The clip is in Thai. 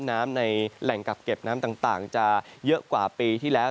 น้ำในแหล่งกักเก็บน้ำต่างจะเยอะกว่าปีที่แล้ว